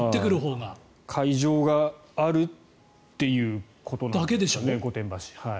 会場があるということなんですかね御殿場市。